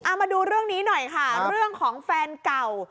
เอามาดูเรื่องนี้หน่อยค่ะเรื่องของแฟนเก่า